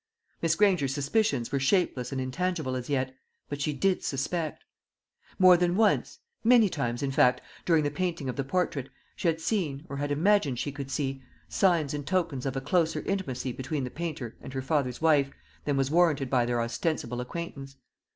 Miss Granger's suspicions were shapeless and intangible as yet, but she did suspect. More than once many times, in fact during the painting of the portrait, she had seen, or had imagined she could see, signs and tokens of a closer intimacy between the painter and her father's wife than was warranted by their ostensible acquaintance.